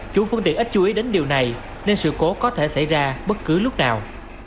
chủ phương tiện ít chú ý đến điều này nên sự cố có thể xảy ra bất cứ lúc nào